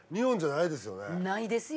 ないですよね。